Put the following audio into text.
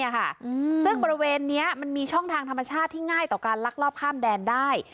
ซึ่งบริเวณนี้มันมีช่องทางธรรมชาติที่ง่ายต่อการลักลอบข้ามแดนได้